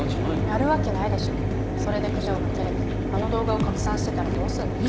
やるわけないでしょそれで九条がキレてあの動画を拡散してたらどうすんの？